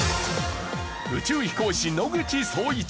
宇宙飛行士野口聡一。